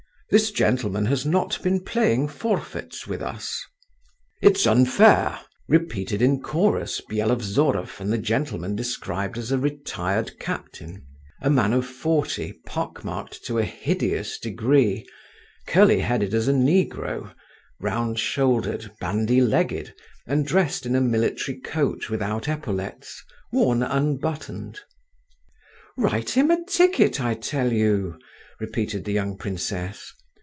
"This gentleman has not been playing forfeits with us." "It's unfair," repeated in chorus Byelovzorov and the gentleman described as a retired captain, a man of forty, pock marked to a hideous degree, curly headed as a negro, round shouldered, bandy legged, and dressed in a military coat without epaulets, worn unbuttoned. "Write him a ticket, I tell you," repeated the young princess.